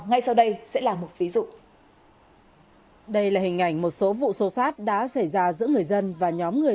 ngay sau đây sẽ là một ví dụ đây là hình ảnh một số vụ sô sát đã xảy ra giữa người dân và nhóm người